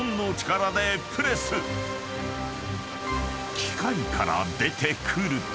［機械から出てくると］